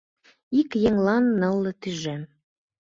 — Ик еҥлан нылле тӱжем.